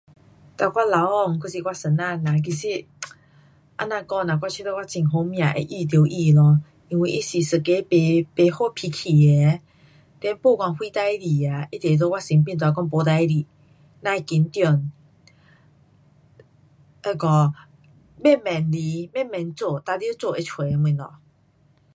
哒我老公还是我先生人其实 um 这样讲啦，我觉得我很好命会遇到他咯。因为他是一个不，不发脾气的，then 不管什事情啊，他都在我身边跟我讲没事情，甭紧张。那个慢慢来，慢慢做，定得做得出东西。